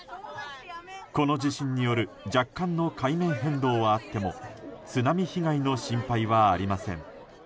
この地震による若干の海面変動はあっても津波被害の心配はありません。